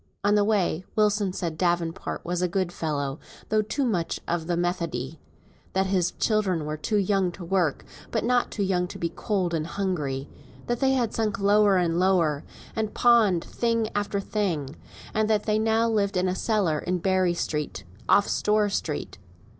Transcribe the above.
On the way Wilson said Davenport was a good fellow, though too much of the Methodee; that his children were too young to work, but not too young to be cold and hungry; that they had sunk lower and lower, and pawned thing after thing, and that now they lived in a cellar in Berry Street, off Store Street.